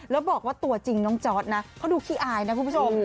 แล้วบอกว่าตัวจริงน้องจอร์ดนะเขาดูขี้อายนะคุณผู้ชม